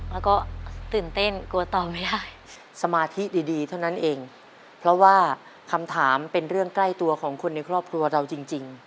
แล้วก็ตื่นเต้นกลัวตอบไม่ได้สมาธิดีดีเท่านั้นเองเพราะว่าคำถามเป็นเรื่องใกล้ตัวของคนในครอบครัวเราจริงจริง